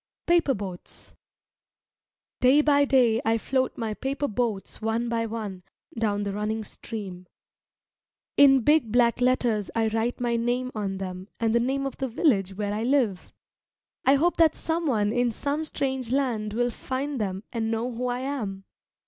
jpg] PAPER BOATS Day by day I float my paper boats one by one down the running stream. In big black letters I write my name on them and the name of the village where I live. I hope that someone in some strange land will find them and know who I am.